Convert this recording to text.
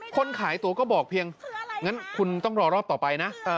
คนขายตัวก็บอกเพียงงั้นคุณต้องรอรอบต่อไปนะ